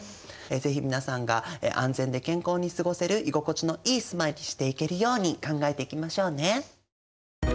是非皆さんが安全で健康に過ごせる居心地のいい住まいにしていけるように考えていきましょうね。